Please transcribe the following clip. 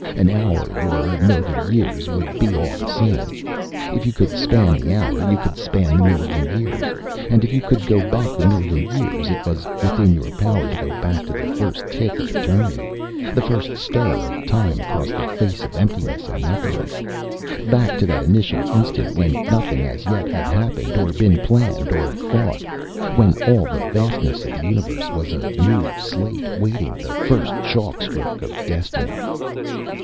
An hour or a million years would be all the same; if you could span the hour, you could span the million years. And if you could go back the million years, it was within your power to go back to the first tick of eternity, the first stir of time across the face of emptiness and nothingness back to that initial instant when nothing as yet had happened or been planned or thought, when all the vastness of the Universe was a new slate waiting the first chalk stroke of destiny.